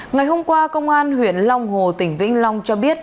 ngày hôm qua công an huyện long hồ tỉnh vĩnh long cho biết